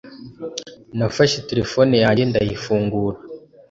nafashe telefone yanjye ndayifungura